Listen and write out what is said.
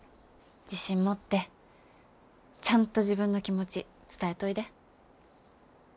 自信持ってちゃんと自分の気持ち伝えといで。